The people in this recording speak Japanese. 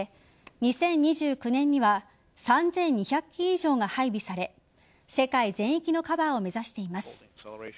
２０２９年には３２００基以上が配備され世界全域のカバーを目指しています。